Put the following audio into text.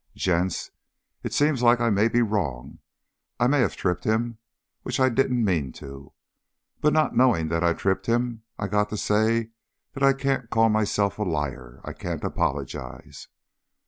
"Gents, it seems like I may be wrong. I may have tripped him which I didn't mean to. But not knowing that I tripped him, I got to say that I can't call myself a liar. I can't apologize."